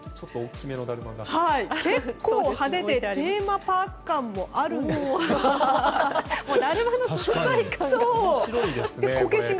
結構、派手でテーマパーク感もあるんですが。